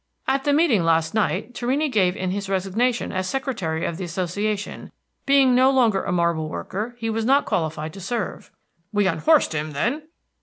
"At the meeting, last night, Torrini gave in his resignation as secretary of the Association; being no longer a marble worker, he was not qualified to serve." "We unhorsed him, then?"